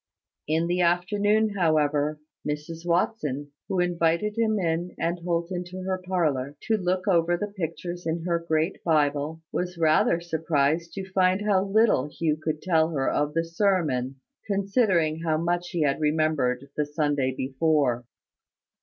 In the afternoon, however, Mrs Watson, who invited him and Holt into her parlour, to look over the pictures in her great Bible, was rather surprised to find how little Hugh could tell her of the sermon, considering how much he had remembered the Sunday before.